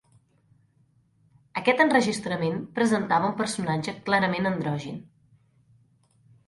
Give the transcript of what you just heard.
Aquest enregistrament presentava un personatge clarament androgin.